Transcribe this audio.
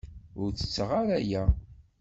Ur tetteɣ ara aya.